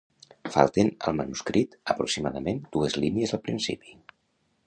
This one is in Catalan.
Falten al manuscrit, aproximadament, dues línies al principi.